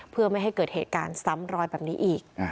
เพื่อไม่ให้เกิดเหตุการณ์ซ้ำรอยแบบนี้อีก